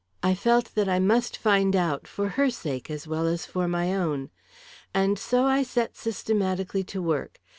I felt that I must find out for her sake, as well as for my own. And so I set systematically to work.